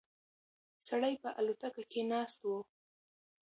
سړی په الوتکه کې ناست و.